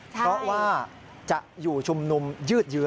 เพราะว่าจะอยู่ชุมนุมยืดเยื้อ